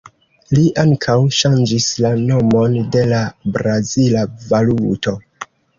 Li ankaŭ ŝanĝis la nomon de la brazila valuto.